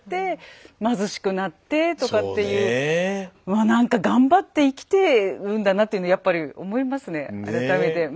わあなんか頑張って生きてるんだなっていうのやっぱり思いますね改めて。